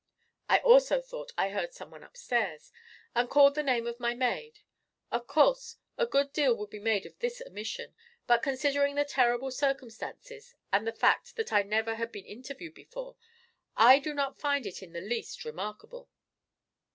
I also thought I heard some one upstairs, and called the name of my maid. Of course, a good deal will be made of this omission, but considering the terrible circumstances and the fact that I never had been interviewed before, I do not find it in the least remarkable.